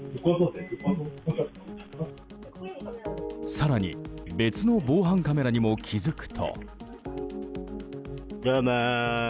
更に別の防犯カメラにも気づくと。